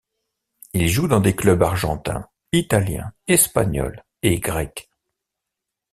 Il joue dans des clubs argentins, italiens, espagnols et grecs.